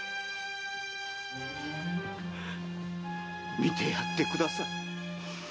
見てやってください。